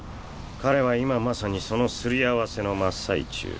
彼は今まさにそのすり合わせの真っ最中。